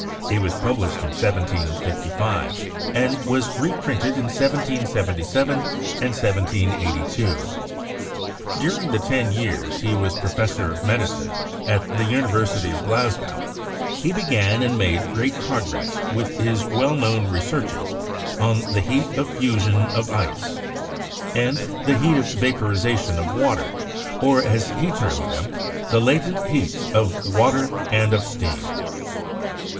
It was published in 1755, and was reprinted in 1777 and 17G2. During the ten years he was Professor of Medicine at the University of Glasgow he began and made great progress with his well known re searches on the heat of fusion of ice, and the heat of vaporization of water, or, as he termed them, the "latent heats" of water and of steam.